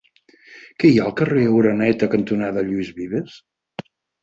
Què hi ha al carrer Oreneta cantonada Lluís Vives?